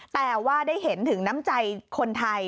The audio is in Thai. แต่ว่าได้เห็นถึงน้ำใจคนไทย